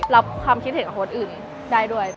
รับความคิดเห็นกับคนอื่นได้ด้วย